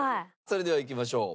それではいきましょう。